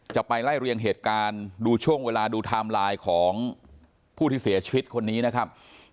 จะไปไล่เรียงเหตุการณ์ดูช่วงเวลาดูไทม์ไลน์ของผู้ที่เสียชีวิตคนนี้นะครับ